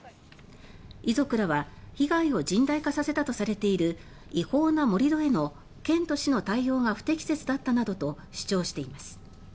遺族らは被害を甚大化させたとされている違法な盛り土への県と市の対応が不適切だったなどと主張しています。